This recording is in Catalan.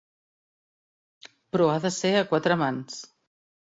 Però ha de ser a quatre mans.